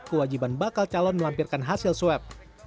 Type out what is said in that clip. kewajiban bakal calon melampirkan hasil swab